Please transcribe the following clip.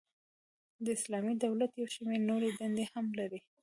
د اسلامی دولت یو شمیر نوري دندي هم لري.